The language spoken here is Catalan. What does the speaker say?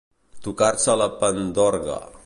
Tocar-se la pandorga.